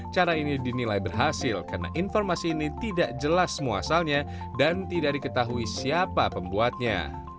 cara ini dinilai berhasil karena informasi ini tidak jelas semua asalnya dan tidak diketahui siapa pembuatnya